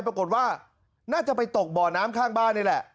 ปรากฏว่าน่าจะไปตกบ่อน้ำข้างบ้านนี่แหละ